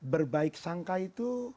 berbaik sangka itu